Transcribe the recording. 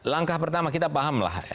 langkah pertama kita pahamlah